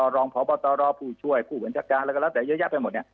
รองพบตรผู้ช่วยผู้บัญชาการอะไรก็แล้วแต่เยอะแยะไปหมดเนี่ย